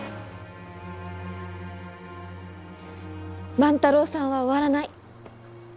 万太郎さんは終わらない！